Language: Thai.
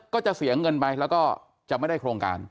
ก็จะเสียเงินไปแล้วก็จะไม่ได้โครงการ